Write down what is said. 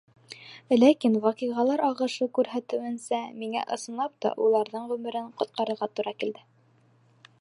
Ләкин ваҡиғалар ағышы күрһәтеүенсә, миңә ысынлап та уларҙың ғүмерен ҡотҡарырға тура килде.